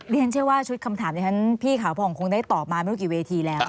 เรียนเชื่อว่าชุดคำถามที่ฉันพี่ขาวผ่องคงได้ตอบมาไม่รู้กี่เวทีแล้ว